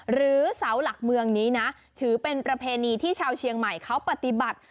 หรือเสาหลักเมืองนี้นะถือเป็นประเพณีที่ชาวเชียงใหม่เขาปฏิบัติ